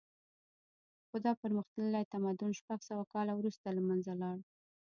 خو دا پرمختللی تمدن شپږ سوه کاله وروسته له منځه لاړ